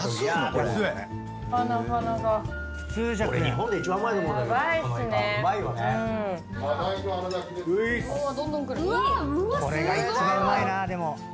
これが一番うまいなでも。